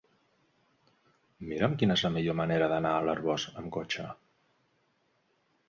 Mira'm quina és la millor manera d'anar a l'Arboç amb cotxe.